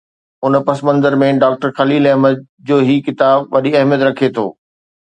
ان پس منظر ۾ ڊاڪٽر خليل احمد جو هي ڪتاب وڏي اهميت رکي ٿو.